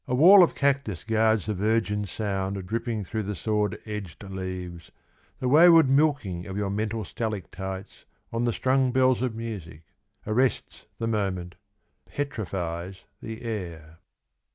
WALL of cactus guards the virgin sound Dripping through the sword edged leaves The wayward milking Of your mental stalactites On the strung bells of music, Arrests the moment, Petrihes the air.